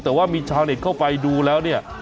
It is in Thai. แต่ว่ามีชาวเน็ตเข้าไปดูแล้วเนี่ย